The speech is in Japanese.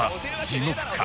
地獄か？